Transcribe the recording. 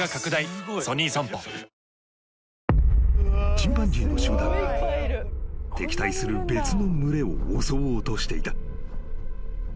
［チンパンジーの集団が敵対する別の群れを襲おうとしていた］